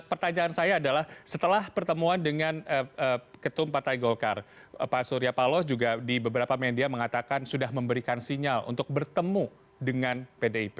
pertanyaan saya adalah setelah pertemuan dengan ketum partai golkar pak surya paloh juga di beberapa media mengatakan sudah memberikan sinyal untuk bertemu dengan pdip